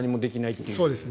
そうですね。